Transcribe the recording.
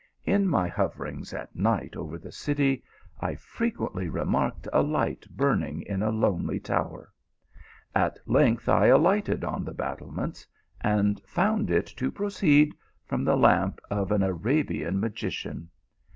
In my hoverings at night over the city I frequently remarked a light burning in a lonely tower. At length I alighted on the battlements, and found it to proceed from the lamp of an Arabian magician.